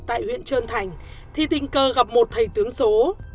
tại huyện trơn thành thì tình cờ gặp một thầy tướng số